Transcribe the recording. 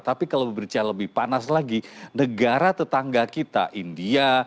tapi kalau berbicara lebih panas lagi negara tetangga kita india